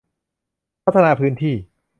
พัฒนาพื้นที่